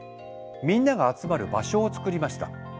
みんなが集まる場所を作りました。